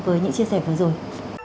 với những chia sẻ vừa rồi